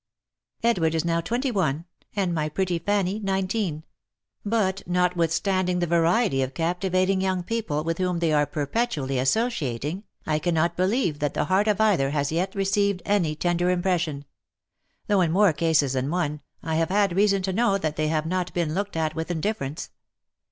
" Edward is now twenty one, and my pretty Fanny nineteen ; but, notwithstanding the variety of captivating young people with whom they are perpetually associating, I cannot believe that the heart of either has as yet received any tender impression — though in more cases than one, I have had reason to know that they have not been 330 THE LIFE AND ADVENTURES looked at with indifference.